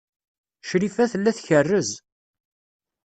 Crifa tella tkerrez.